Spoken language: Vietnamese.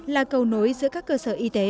là cầu nối giữa các cơ sở y tế